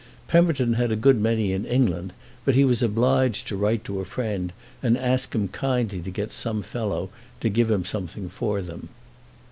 Pemberton had a good many in England, but he was obliged to write to a friend and ask him kindly to get some fellow to give him something for them.